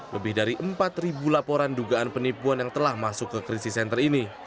lebih dari empat laporan dugaan penipuan yang telah masuk ke krisis center ini